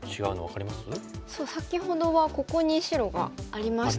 そう先ほどはここに白がありましたね。